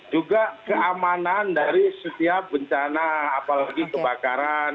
juga keamanan dari setiap bencana apalagi kebakaran